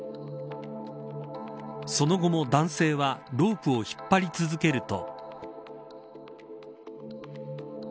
その後も男性はロープを引っ張り続けると。